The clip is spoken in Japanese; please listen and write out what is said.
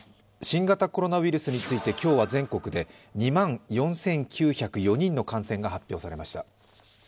新型コロナウイルスについて、今日は全国で２万４９０４人の感染が発表されました